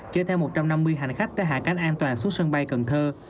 chở theo một trăm năm mươi hành khách tới hạ cánh an toàn xuống sân bay cần thơ